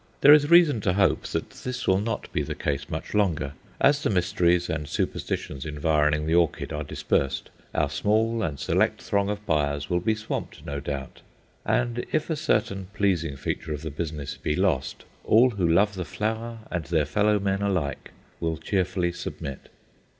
There is reason to hope that this will not be the case much longer. As the mysteries and superstitions environing the orchid are dispersed, our small and select throng of buyers will be swamped, no doubt; and if a certain pleasing feature of the business be lost, all who love the flower and their fellow men alike will cheerfully submit.